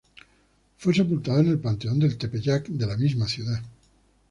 Fue sepultado en el Panteón del Tepeyac, de la misma ciudad.